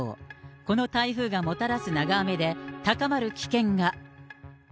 この台風がもたらす長雨で、高まる危険が。